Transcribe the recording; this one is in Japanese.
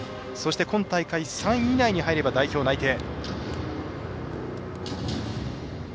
今大会３位以内に入れば代表内定。